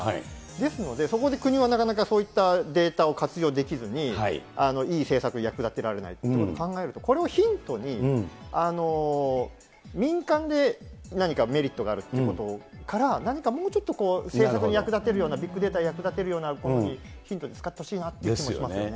ですので、そこで国はなかなかそういったデータを活用できずに、いい政策に役立てられないということを考えると、これをヒントに、民間で何かメリットがあるっていうことから、何かもうちょっと生活に役立てるような、ビッグデータを役立てるようなアプリのヒントに使ってほしいなという気もしますよね。